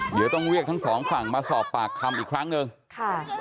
เหนือต้องเวียกทั้งสองฝั่งมาสอบปากคำอีกครั้งนึงข้า